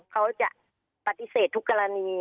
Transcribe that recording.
เขาจะปฏิเสธทุกกรณี